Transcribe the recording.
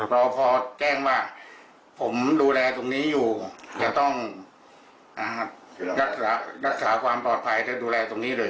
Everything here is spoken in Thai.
พอแจ้งว่าผมดูแลตรงนี้อยู่จะต้องรักษาความปลอดภัยและดูแลตรงนี้เลย